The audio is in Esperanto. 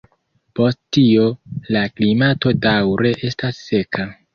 Post tio la klimato daŭre estas seka.